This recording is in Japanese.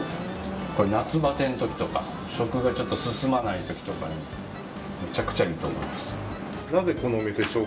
これ夏バテの時とか食がちょっと進まない時とかにめちゃくちゃいいと思います。